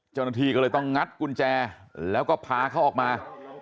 เจ้าหน้าที่ก็เลยต้องงัดกุญแจแล้วก็พาเขาออกมา